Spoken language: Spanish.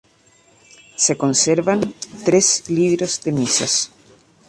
Se conservan tres libros de misas.